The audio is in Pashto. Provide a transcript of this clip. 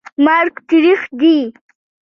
مرګ تریخ دي